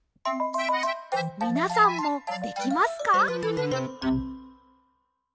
みなさんもできますか？